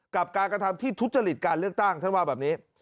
กับการกระทำที่ทุจริตการเลือกตั้งท่านว่าแบบนี้